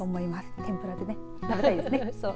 天ぷらでね、食べたいですね。